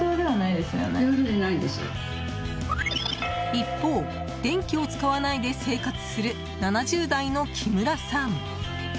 一方、電気を使わないで生活する、７０代の木村さん。